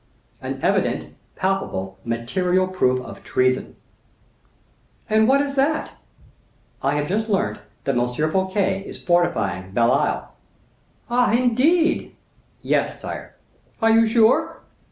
"An evident, palpable, material proof of treason." "And what is that?" "I have just learnt that M. Fouquet is fortifying Belle Isle." "Ah, indeed!" "Yes, sire." "Are you sure?"